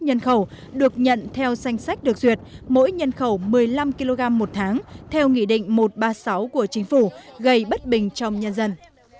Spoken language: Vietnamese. nhân khẩu được nhận theo danh sách được duyệt mỗi nhân khẩu một mươi năm kg một tháng theo nghị định một trăm ba mươi sáu của chính phủ gây bất bình trong nhân dân